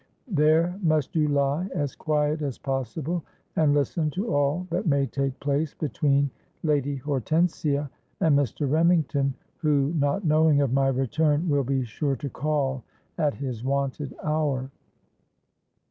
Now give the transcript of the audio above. There must you lie as quiet as possible, and listen to all that may take place between Lady Hortensia and Mr. Remington, who, not knowing of my return, will be sure to call at his wonted hour.'